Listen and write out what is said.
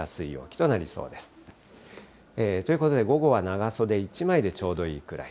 ということで、午後は長袖１枚でちょうどいいくらい。